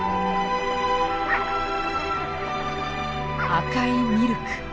赤いミルク。